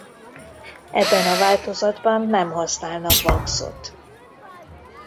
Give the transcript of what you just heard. Ebben a változatban nem használnak wax-ot.